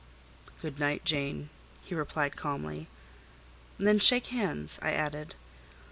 "Good night, Jane," he replied calmly. "Then shake hands," I added.